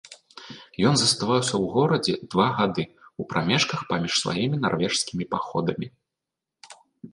Ён заставаўся ў горадзе два гады, у прамежках паміж сваімі нарвежскімі паходамі.